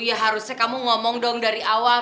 ya harusnya kamu ngomong dong dari awal